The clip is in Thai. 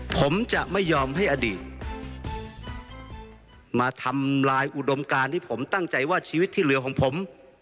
ผมจะไม่ยอมให้อดีตมาทำลายอุดมการที่ผมตั้งใจว่าชีวิตที่เหลือของผม